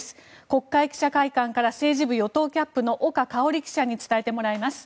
国会記者会館から政治部与党キャップの岡香織記者に伝えてもらいます。